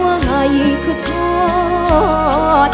ภูมิสุภาพยาบาลภูมิสุภาพยาบาล